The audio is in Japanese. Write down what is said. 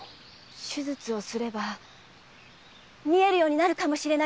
手術をすれば見えるようになるかもしれないのです。